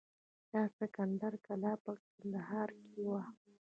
د اسکندر کلا په کندهار کې وه